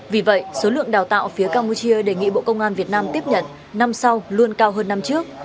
vì vậy số lượng đào tạo phía campuchia đề nghị bộ công an việt nam tiếp nhận năm sau luôn cao hơn năm trước